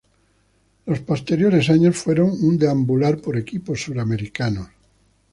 Los posteriores años fueron un deambular por equipos suramericanos.